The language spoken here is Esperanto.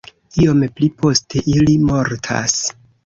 Iom pli poste ili mortas.